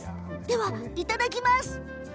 では、いただきます。